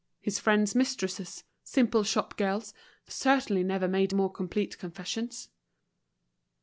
His friend's mistresses, simple shop girls, certainly never made more complete confessions.